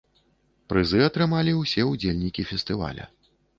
Прызы атрымалі ўсе ўдзельнікі фестываля.